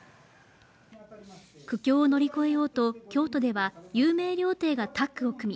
苦境を乗り越えようと京都では有名料亭がタッグを組み